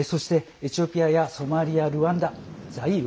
エチオピアやソマリアルワンダ、ザイール